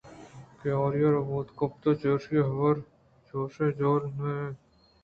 کہ آ آریا بُوتءُ کپت کہ چرایشی ءَ حر ہم چہ پُہل ءَ لیٹ گِران کور ءَ کپت ءُ مُرت